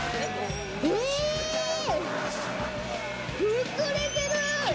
膨れてる！